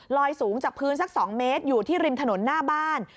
สูงจากพื้นสัก๒เมตรอยู่ที่ริมถนนหน้าบ้าน